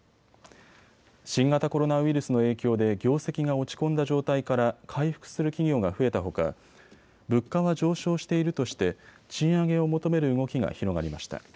新型コロナウイルスの影響で業績が落ち込んだ状態から回復する企業が増えたほか物価は上昇しているとして賃上げを求める動きが広がりました。